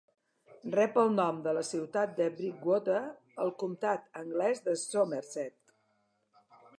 Rep el nom de la ciutat de Bridgwater, al comtat anglès de Somerset.